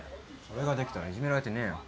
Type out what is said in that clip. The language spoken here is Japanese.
それができたらいじめられてねえよ。